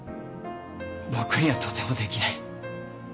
僕にはとてもできない。